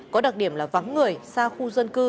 có đặc điểm là vắng người xa khu dân cư